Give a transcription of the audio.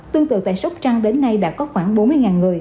tương tự tại sóc trăng đến nay đã có khoảng bốn mươi người